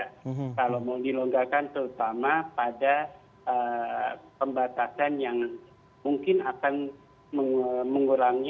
kalau mau dilonggarkan terutama pada pembatasan yang mungkin akan mengurangi